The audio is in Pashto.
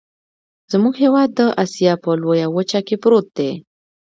زمونږ هیواد د اسیا په لویه وچه کې پروت دی.